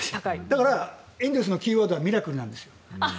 だからエンゼルスのキーワードはミラクルなんですよ。